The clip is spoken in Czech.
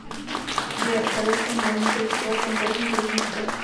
Je velice módní kritizovat konkrétní životní styly.